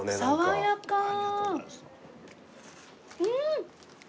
うん！